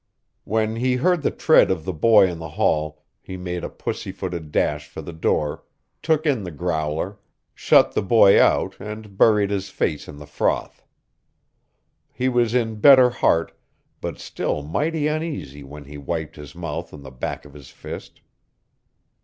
When he heard the tread of the boy in the hall he made a pussy footed dash for the door, took in the growler, shut the boy out and buried his face in the froth. He was in better heart, but still mighty uneasy when he wiped his mouth on the back of his fist.